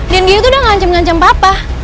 dan dia tuh udah ngancam ngancam papa